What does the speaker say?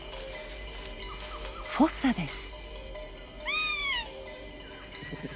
フォッサです。